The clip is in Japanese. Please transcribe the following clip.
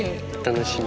楽しみ。